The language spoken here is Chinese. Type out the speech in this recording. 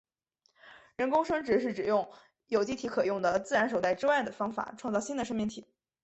人工生殖是指用有机体可用的自然手段之外的方法创造新的生命体。